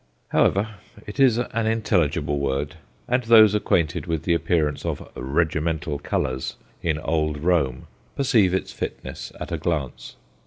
However, it is an intelligible word, and those acquainted with the appearance of "regimental colours" in Old Rome perceive its fitness at a glance.